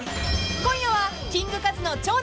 ［今夜は］